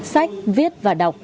sách viết và đọc